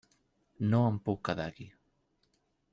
No em puc quedar aquí.